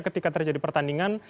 ketika terjadi pertandingan